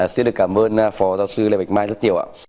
xin được cảm ơn phó giáo sư lê bạch mai rất nhiều ạ